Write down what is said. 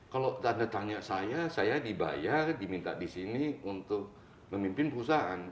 kalau tanda tanya saya saya dibayar diminta di sini untuk memimpin perusahaan